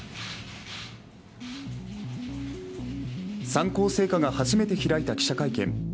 三幸製菓が初めて開いた記者会見。